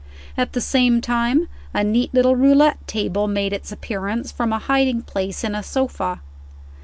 At the same time, a neat little roulette table made its appearance from a hiding place in a sofa.